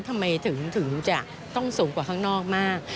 ทำไมถึงจะต้องสูงกว่าข้างนอกมาก